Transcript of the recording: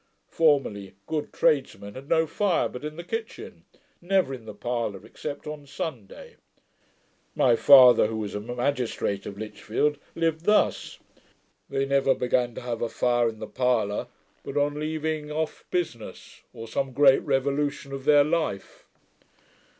Formerly, good tradesmen had no fire but in the kitchen; never in the parlour, except on Sunday. My father, who was a magistrate of Lichfield, lived thus. They never began to have a fire in the parlour, but on leaving off business, or some great revolution of their life.'